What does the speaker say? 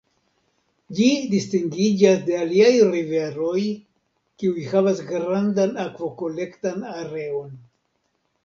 Ĝi distingiĝas de aliaj riveroj, kiuj havas grandan akvokolektan areon.